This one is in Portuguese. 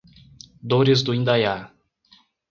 Dores do Indaiá